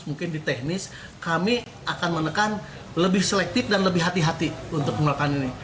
mungkin di teknis kami akan menekan lebih selektif dan lebih hati hati untuk melakukan ini